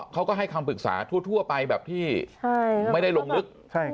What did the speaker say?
เขาก็ให้คำปรึกษาทั่วไปแบบที่ไม่ได้ลงลึก